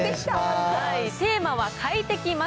テーマは快適枕。